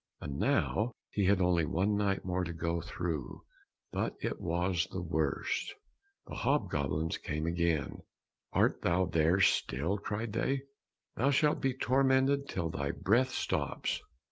And now he had only one night more to go through, but it was the worst. The hob goblins came again: "Art thou there still?" cried they, "thou shalt be tormented till thy breath stops."